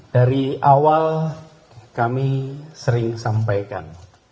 dari awal kami sering sampaikan